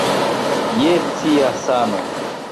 Je cia sano!